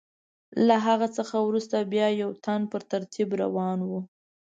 له هغه څخه وروسته بیا یو تن په ترتیب روان و.